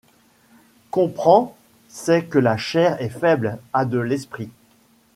Comprend, sait que la chair est faible, a de l’esprit ;